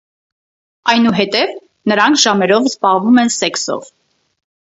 Այնուհետև նրանք ժամերով զբաղվում են սեքսով։